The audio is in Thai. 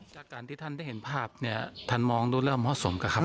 จากการที่ท่านได้เห็นภาพเนี่ยท่านมองดูเริ่มเหมาะสมกับครับ